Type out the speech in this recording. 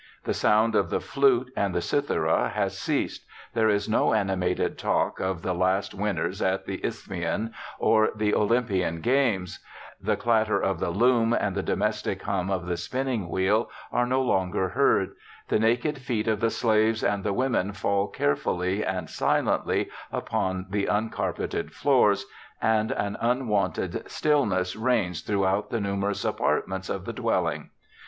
The sound of the flute and the cithara has ceased ; there is no animated talk of the last winners at the Isthmian or the Olympian games ; the clatter of the loom and the domestic hum of the spinning wheel are no longer heard ; the naked feet of the slaves and the women fall carefully and silently upon the uncarpeted floors, and an unwonted stillness reigns throughout the numerous apartments of the dwelling.